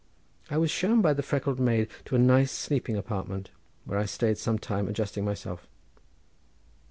I was shown by the freckled maid to a nice sleeping apartment, where I stayed some time adjusting myself.